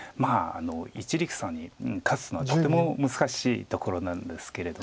一力さんに勝つのはとても難しいところなんですけれども。